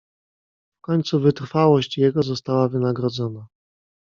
"W końcu wytrwałość jego została wynagrodzona."